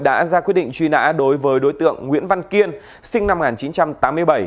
đã ra quyết định truy nã đối với đối tượng nguyễn văn kiên sinh năm một nghìn chín trăm tám mươi bảy